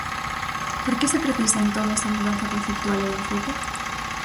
Por que se precisa, entón, esa mudanza conceptual e de enfoque?